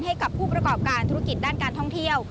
ให้กับผู้ประกอบการธุรกิจด้านการท่องเที่ยว